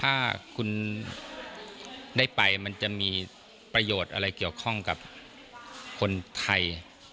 ถ้าคุณได้ไปมันจะมีประโยชน์อะไรเกี่ยวข้องกับคนไทย